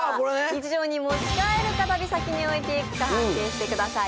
日常に持ち帰るか旅先に置いていくか判定してください